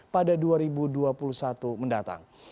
pada dua ribu dua puluh satu mendatang